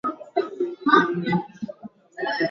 Ninatembelea familia yangu mara moja kwa mwaka